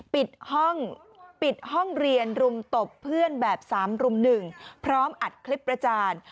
ปิดห้องปิดห้องเรียนรุมตบเพื่อนแบบ๓รุ่ม๑พร้อมอัดคลิปประจาน